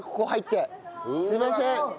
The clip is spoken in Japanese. すいません。